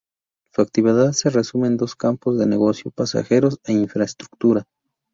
Su actividad se resume en dos campos de negocio: Pasajeros e infraestructura.